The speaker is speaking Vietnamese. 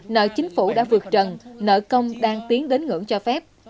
nợ chính phủ đã vượt trần nợ công đang tiến đến ngưỡng cho phép